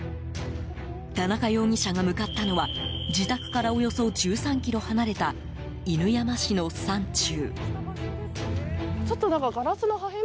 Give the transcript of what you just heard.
田中容疑者が向かったのは自宅からおよそ１３ｋｍ離れた犬山市の山中。